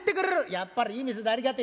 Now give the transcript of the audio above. やっぱりいい店だありがてえ。